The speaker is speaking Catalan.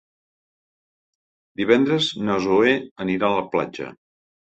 Divendres na Zoè anirà a la platja.